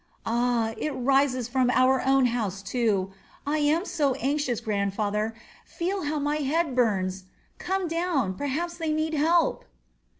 Ah, it rises from our own house too. I am so anxious, grandfather, feel how my head burns! Come down, perhaps they need help."